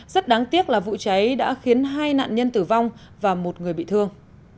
rất đáng tiếc là vụ cháy đã khiến hai nạn nhân tử vong và một người bị thương